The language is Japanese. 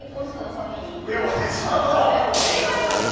その日に。